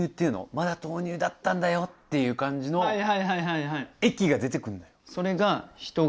まだ豆乳だったんだよっていう感じの液が出て来んだよ。